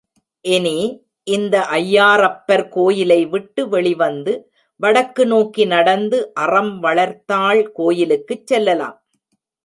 இனி, இந்த ஐயாறப்பர் கோயிலை விட்டு வெளி வந்து வடக்கு நோக்கி நடந்து, அறம் வளர்த்தாள் கோயிலுக்குச் செல்லலாம்.